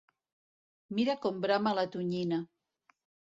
Mira com brama la tonyina!